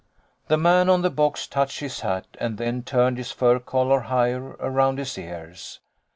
The man on the box touched his hat and then turned his fur collar higher around his ears.